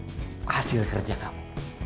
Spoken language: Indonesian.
saya suka hasil kerja kamu